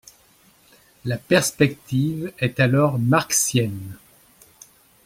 La perspective est alors marxienne.